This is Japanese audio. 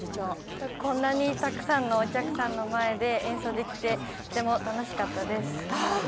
こんなにたくさんのお客さんの前で演奏できてとても楽しかったです。